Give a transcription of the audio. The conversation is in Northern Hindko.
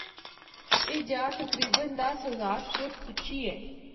اے جآ تقریبا دس ہزار فٹ اُچی ہے۔